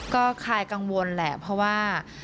ก็คลายกังวลแหละเพราะว่า